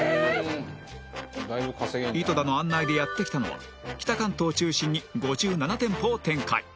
井戸田の案内でやってきたのは北関東を中心に５７店舗を展開